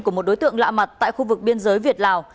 của một đối tượng lạ mặt tại khu vực biên giới việt lào